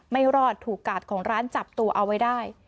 ไม่รอดถูกกาดของร้านจับตัวเอาไว้ได้